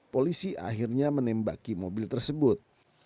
polisi akhirnya menembaki mobil tersebut